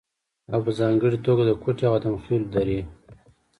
او په ځانګړې توګه د کوټې او ادم خېلو درې